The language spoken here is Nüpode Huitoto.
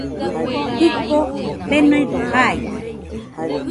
Jɨko benedo jaide